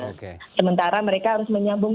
nah sementara mereka harus menyambung